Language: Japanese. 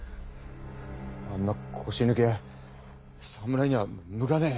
あんな腰抜け侍にゃ向かねえ。